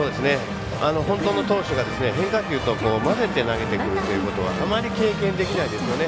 本当の投手が変化球とまぜて投げてくるというのはあまり経験できないですよね。